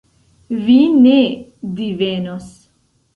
Vi ne divenos.